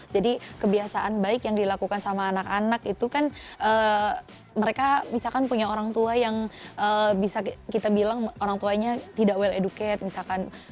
kebiasaan baik yang dilakukan sama anak anak itu kan mereka misalkan punya orang tua yang bisa kita bilang orang tuanya tidak well educate misalkan